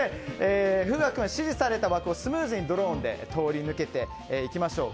風雅君は指示された枠をスムーズにドローンで通り抜けていきましょう。